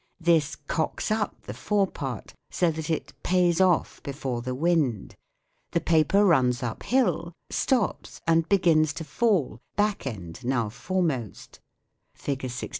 This cocks up the fore part, so that it " pays off " before the wind : the paper runs uphill, stops, and begins to fall, back end now foremost.